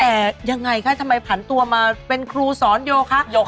แต่ยังไงคะทำไมผันตัวมาเป็นครูสอนโยคะ